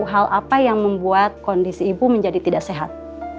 dan kita akan tahu hal apa yang membuat kondisi ibu menjadi tidak sehat